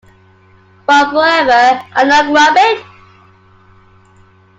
Fun forever, and no grubbing!